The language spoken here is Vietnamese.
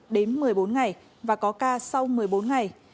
đến một mươi bốn ngày và có ca sau một mươi bốn ngày